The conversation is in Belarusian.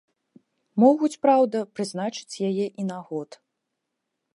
Могуць, праўда, прызначыць яе і на год.